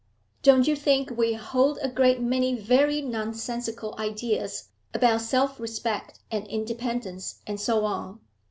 Don't you think we hold a great many very nonsensical ideas about self respect and independence and so on?